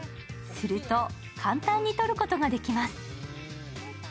すると簡単に取ることができます。